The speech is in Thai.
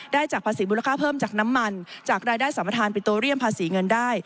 ได้จากภาษีมูลค่าเพิ่มจากน้ำมันจากรายได้สัมประธานปิโตเรียมภาษีเงินได้